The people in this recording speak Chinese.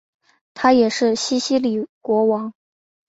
他也是西西里国王。